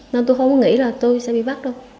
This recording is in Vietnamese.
nên tôi không có nghĩ là tôi sẽ bị bắt đâu